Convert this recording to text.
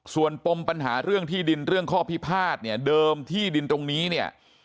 ส่วนปมปัญหาเรื่องที่ดินเรื่องข้อพิพาทเนี่ยเดิมที่ดินตรงนี้เนี่ย